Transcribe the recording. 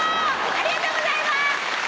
ありがとうございます！